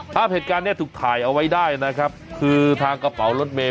ภาพเหตุการณ์เนี้ยถูกถ่ายเอาไว้ได้นะครับคือทางกระเป๋ารถเมย